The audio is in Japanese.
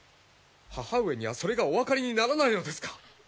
母上にはそれがお分かりにならないのですか？